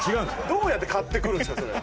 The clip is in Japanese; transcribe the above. どうやって買ってくるんですかそれ。